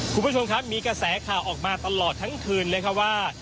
คุณผู้ชมครับมีกระแสข่าวออกมาตลอดทั้งคืนเลยครับว่า